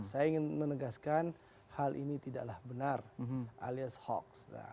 saya ingin menegaskan hal ini tidaklah benar alias hoax